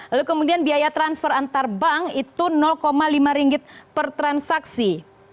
lalu kemudian biaya transfer antar bank itu lima ringgit per transaksi